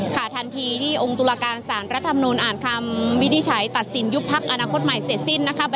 ทันทีที่องค์ตุลาการสารรัฐมนุนอ่านคำวินิจฉัยตัดสินยุบพักอนาคตใหม่เสร็จสิ้นนะคะ